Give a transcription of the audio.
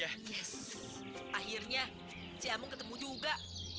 yes akhirnya si amung ketemu juga